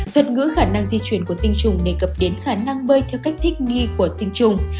thuật ngữ khả năng di chuyển của tinh trùng đề cập đến khả năng bơi theo cách thích nghi của tinh trùng